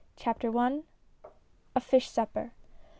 CHAPTER L A FISH SUPPER.